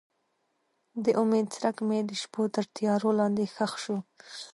د امید څرک مې د شپو تر تیارو لاندې ښخ شو.